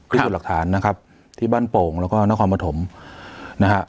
พิสูจน์หลักฐานนะครับที่บ้านโป่งแล้วก็นครปฐมนะฮะ